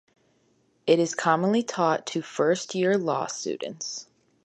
It is commonly taught to first year law students.